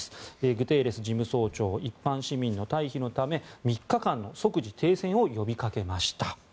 グテーレス事務総長一般市民の退避のため３日間の即時停戦を呼びかけました。